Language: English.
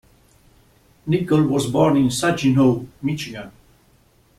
Nickle was born in Saginaw, Michigan.